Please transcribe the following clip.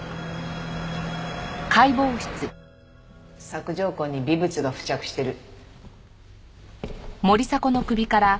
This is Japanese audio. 索条痕に微物が付着してる。